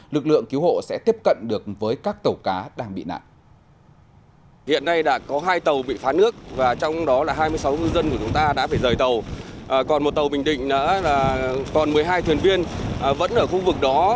lực lượng cứu hộ sẽ tiếp cận được với các tàu cá bị chìm